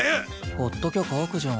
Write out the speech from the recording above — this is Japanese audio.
ほっときゃ乾くじゃん。